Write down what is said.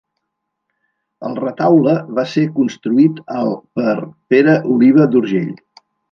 El retaule va ser construït al per Pere Oliva d'Urgell.